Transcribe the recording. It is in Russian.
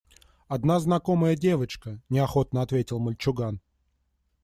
Одна знакомая девочка, – неохотно ответил мальчуган.